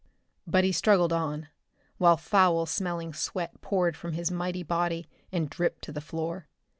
But he struggled on, while foul smelling sweat poured from his mighty body and dripped to the floor.